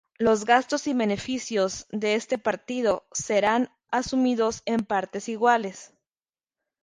Los gastos y beneficios de este partido serán asumidos en partes iguales.